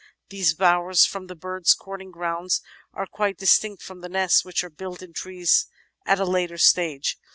These bowers form the birds' courting grounds and are quite dis tinct from the nests, which are built in trees at a later stage.